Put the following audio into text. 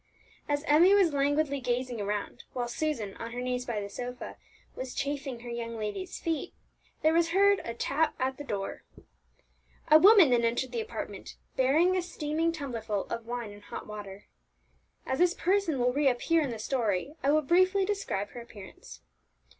As Emmie was languidly gazing around, while Susan, on her knees by the sofa, was chafing her young lady's feet, there was heard a tap at the door. A woman then entered the apartment, bearing a steaming tumblerful of wine and hot water. As this person will reappear in the story, I will briefly describe her appearance.